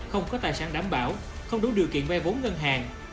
không có tài sản đảm bảo không đủ điều kiện vay vốn ngân hàng